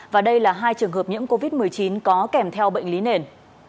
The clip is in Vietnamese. và đây là hai trường hợp nhiễm covid một mươi chín có kèm theo bệnh lý nền